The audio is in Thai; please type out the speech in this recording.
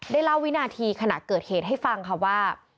เล่าวินาทีขณะเกิดเหตุให้ฟังค่ะว่า